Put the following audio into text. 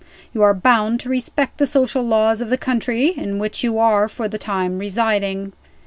You are bound to respect the social laws of the country in which you are for the time residing.